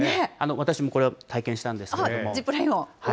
私もこれは体験したんですけれども。